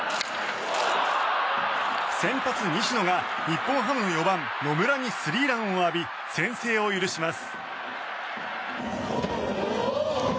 先発、西野が日本ハムの４番、野村にスリーランを浴び先制を許します。